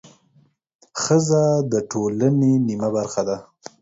ښځه د ټولنې نیمه برخه ده